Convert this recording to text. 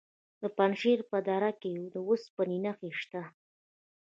د پنجشیر په دره کې د اوسپنې نښې شته.